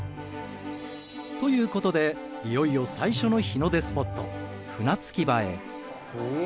ということでいよいよ最初の日の出スポットすげえ。